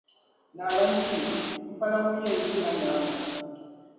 Naɣila n kpimi, m pala ŋun ni yi anyaaŋa.